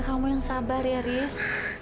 kamu yang sabar ya ris